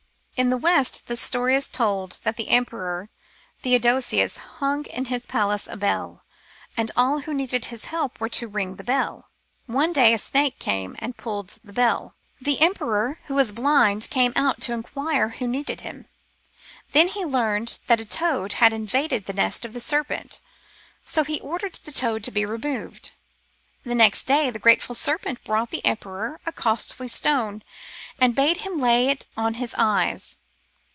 In the West the story was told that the Emperor Theodosius hung in his palace a bell, and all who needed his help were to ring the bell. One day a snake came and pulled the bell. The emperor, who was blind, came out to inquire who needed him ; then he learned that a toad had invaded the nest of the serpent. So he ordered the toad to be removed. Next day the grateful serpent brought the emperor a costly stone, and bade him lay it on his eyes.